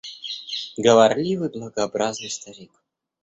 Говорливый, благообразный старик.